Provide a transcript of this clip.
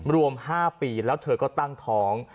รวม๕ปีแล้วเธอก็ตั้งท้อง